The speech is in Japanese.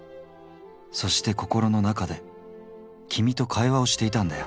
そして心の中で君と会話をしていたんだよ。